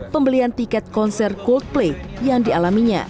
pembelian tiket konser coldplay yang dialaminya